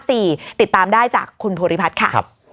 ติดตามได้จากคุณภูริพัฒน์ค่ะ